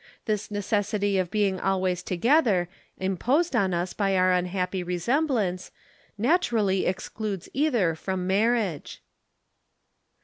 This necessity of being always together, imposed on us by our unhappy resemblance, naturally excludes either from marriage."